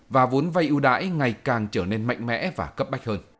và vốn vay ưu đãi ngày càng trở lại